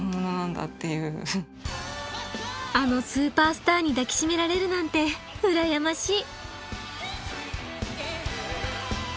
あのスーパースターに抱き締められるなんて羨ましい！